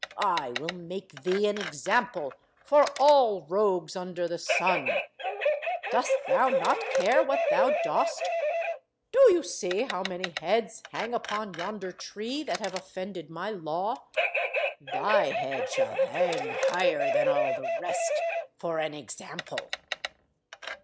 I will make thee an example for all rogues under the sun. Dost thou not care what thou dost? Do you see how many heads hang upon yonder tree that have offended my law? Thy head shall hang higher than all the rest for an example!"